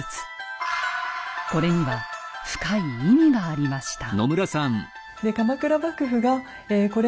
これには深い意味がありました。